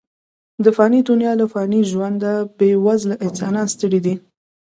د فاني دنیا له فاني ژونده، بې وزله انسانان ستړي دي.